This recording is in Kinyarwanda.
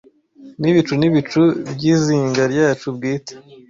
Nibicu nibicu byizinga ryacu bwite